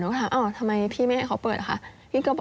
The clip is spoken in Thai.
ก็ถามทำไมพี่ไม่ให้เขาเปิดค่ะ